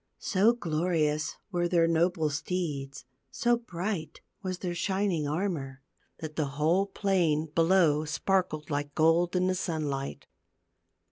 So glorious were their noble steeds, so bright was their shining armor, that the whole plain below sparkled like gold in the sun light.